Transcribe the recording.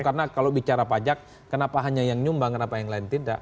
karena kalau bicara pajak kenapa hanya yang nyumbang kenapa yang lain tidak